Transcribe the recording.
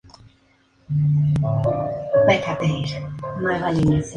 Las últimas poblaciones están siendo gradualmente reducidas.